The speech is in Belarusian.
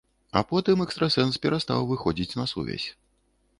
А потым экстрасэнс перастаў выходзіць на сувязь.